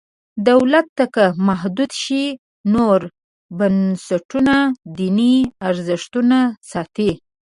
دولت که محدود شي نور بنسټونه دیني ارزښتونه ساتي.